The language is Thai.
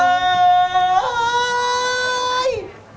อุ๊ย